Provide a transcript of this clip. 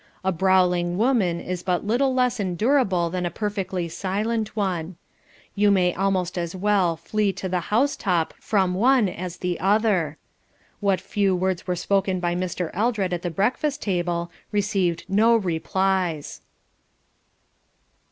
A brawling woman is but little less endurable than a perfectly silent one. You may almost as well "flee to the house top" from one as the other. What few words were spoken by Mr. Eldred at the breakfast table received no replies.